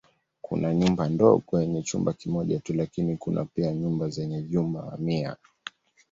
Kuna nyumba ndogo yenye chumba kimoja tu lakini kuna pia nyumba zenye vyumba mamia.